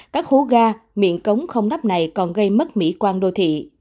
các hố ga miệng cống không nắp này còn gây mất mỹ quan đô thị